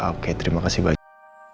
oke terima kasih banyak